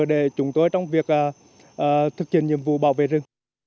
để chúng tôi trong việc thực hiện nhiệm vụ bảo vệ rừng